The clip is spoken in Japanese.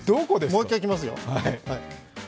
もう一回いきますよ。